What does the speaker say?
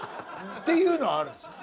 っていうのはあるんです。